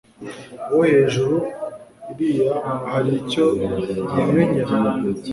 Uwo hejuru iriya hari icyo yimenyera?»